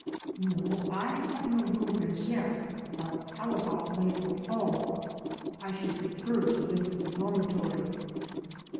No, I had no room as yet, but how about Lathrop Hall? I should prefer to live in the dormitory.